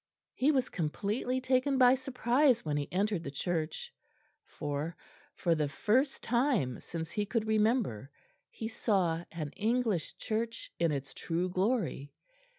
He was completely taken by surprise when he entered the church, for, for the first time since he could remember, he saw an English church in its true glory.